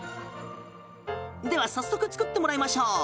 では早速作ってもらいましょう。